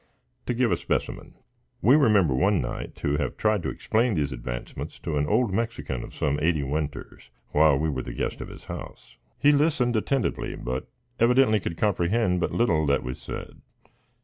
To give a specimen: we remember one night to have tried to explain these advancements to an old Mexican of some eighty winters, while we were the guest of his house. He listened attentively, but evidently could comprehend but little that we said.